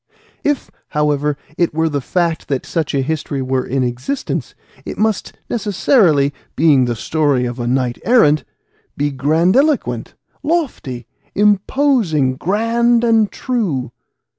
If, however, it were the fact that such a history were in existence, it must necessarily, being the story of a knight errant, be grandiloquent, lofty, imposing, grand and true.